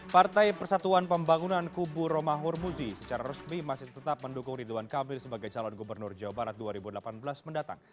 partai persatuan pembangunan kubu romahur muzi secara resmi masih tetap mendukung ridwan kamil sebagai calon gubernur jawa barat dua ribu delapan belas mendatang